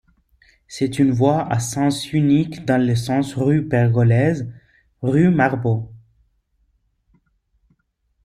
C'est une voie à sens unique dans le sens rue Pergolèse, rue Marbeau.